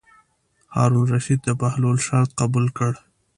هارون الرشید د بهلول شرط قبول کړ.